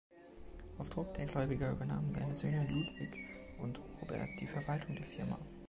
Auf Druck der Gläubiger übernahmen seine Söhne Ludvig und Robert die Verwaltung der Firma.